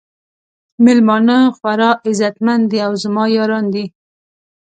میلمانه خورا عزت مند دي او زما یاران دي.